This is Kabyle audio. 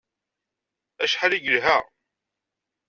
Acḥal i yelha!